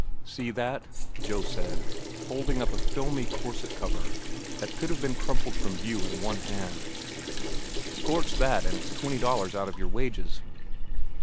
"See that," Joe said, holding up a filmy corset cover that he could have crumpled from view in one hand. "Scorch that an' it's twenty dollars out of your wages."